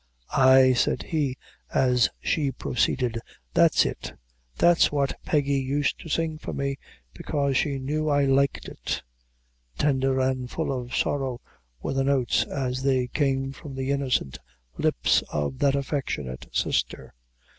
"Ay," said he, as she proceeded, "that's it that's what Peggy used to sing for me, bekaise she knew I liked it." Tender and full of sorrow were the notes as they came from the innocent lips of that affectionate sister.